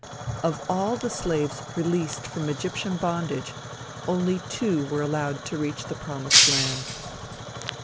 Of all the slaves released from Egyptian bondage, only two were allowed to reach the promised land!